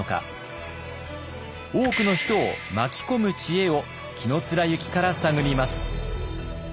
多くの人を巻き込む知恵を紀貫之から探ります。